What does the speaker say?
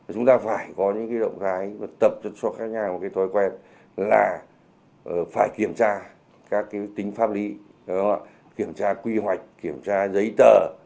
chúng ta phải có những động thái tập cho các nhà một thói quen là phải kiểm tra các tính pháp lý kiểm tra quy hoạch kiểm tra giấy tờ